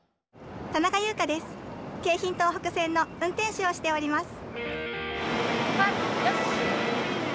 京浜東北線の運転士をしております。